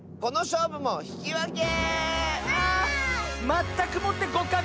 まったくもってごかく！